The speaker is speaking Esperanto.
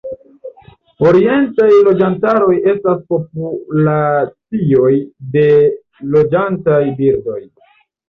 Orientaj loĝantaroj estas populacioj de loĝantaj birdoj.